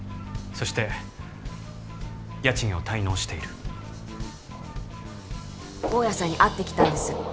そして家賃を滞納している大家さんに会ってきたんです